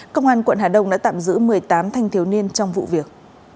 công an quận hà đông đã tạm giữ một mươi tám thanh thiếu niên trong vụ việc